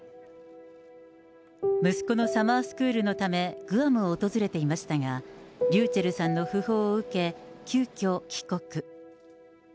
息子のサマースクールのため、グアムを訪れていましたが、ｒｙｕｃｈｅｌｌさんの訃報を受け、急きょ帰国。